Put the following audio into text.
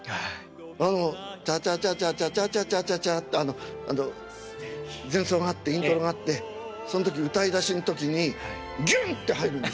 あの「チャチャチャチャチャチャチャチャチャチャ」の前奏があってイントロがあってその時歌いだしの時にギュンッて入るんです。